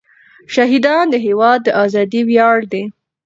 شهیدان د هېواد د ازادۍ ویاړ دی.